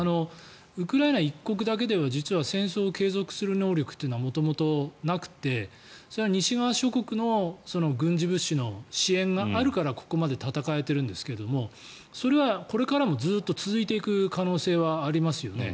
ウクライナ一国だけでは戦争を継続する能力というのは元々なくて、それは西側諸国の軍事物資の支援があるからここまで戦えてるんですがそれはこれからも続いていく可能性ありますよね。